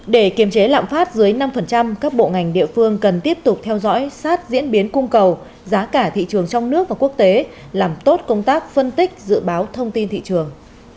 để kiềm chế lạm phát dưới năm các bộ ngành địa phương cần tiếp tục theo dõi sát diễn biến cung cầu giá cả thị trường trong nước và quốc tế làm tốt công tác phân tích dự báo thông tin thị trường